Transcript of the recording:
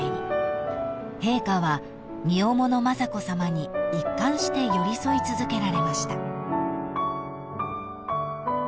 ［陛下は身重の雅子さまに一貫して寄り添い続けられました］